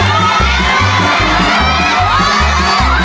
เยี่ยม